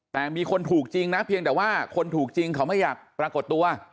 แต่มีคนถูกจริงนะเพียงแต่ว่าคนถูกจริงเขาไม่อยากปรากฏตัว